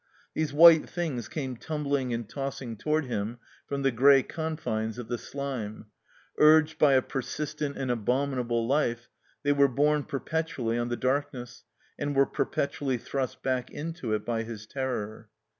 These white things came tumbling anditossing toward him from the gray confines of the slime; urged by a per sistent and abominable life, they were borne per petually on the darkness and were perpetually thrust back into it by his terror.